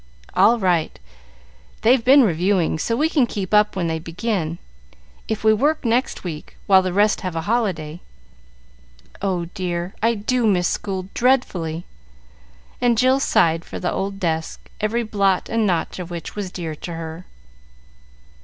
"All right. They've been reviewing, so we can keep up when they begin, if we work next week, while the rest have a holiday. Oh, dear, I do miss school dreadfully;" and Jill sighed for the old desk, every blot and notch of which was dear to her.